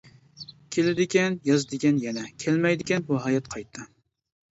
كېلىدىكەن ياز دېگەن يەنە، كەلمەيدىكەن بۇ ھايات قايتا.